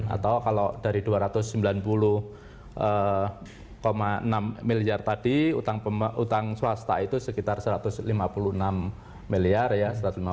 atau kalau dari dua ratus sembilan puluh enam miliar tadi utang swasta itu sekitar satu ratus lima puluh enam miliar ya